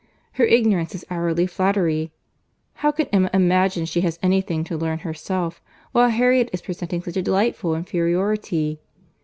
Her ignorance is hourly flattery. How can Emma imagine she has any thing to learn herself, while Harriet is presenting such a delightful inferiority?